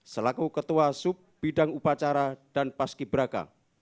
selaku ketua sub bidang upacara dan paski braka